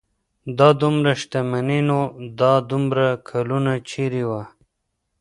دا دومره شتمني نو دا دومره کلونه چېرې وه.